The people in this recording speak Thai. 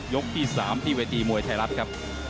ที่๓ที่เวทีมวยไทยรัฐครับ